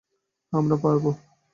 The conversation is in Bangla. হ্যা, আমরা পাবো।